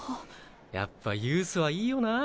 やっぱユースはいいよな。